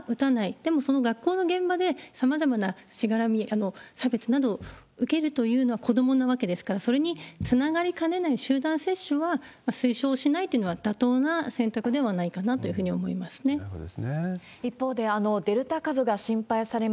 でも、その学校の現場でさまざまなしがらみ、差別など受けるというのは、子どもなわけですから、それにつながりかねない集団接種は、推奨しないっていうのは、妥当な選択ではないかなというふうに思いますね。